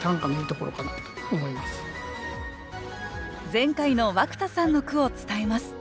前回の涌田さんの句を伝えます